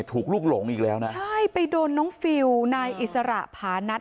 ลูกหลงอีกแล้วนะใช่ไปโดนน้องฟิลนายอิสระผานัท